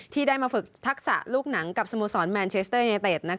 ที่ได้มาฝึกทักษะลูกหนังกับสโมสรแมนเชสเตอร์เนเต็ด